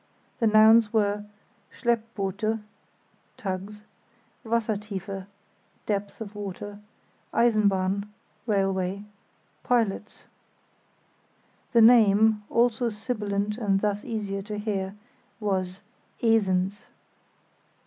The nouns were "Schleppboote" (tugs); "Wassertiefe" (depth of water); "Eisenbahn" (railway); "Lotsen" (pilots). The name, also sibilant and thus easier to hear, was "Esens".